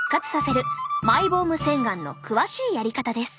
マイボーム洗顔の詳しいやり方です。